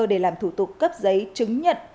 để làm thủ tục cấp giấy chứng nhận